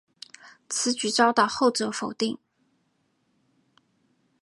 此举遭到后者否定。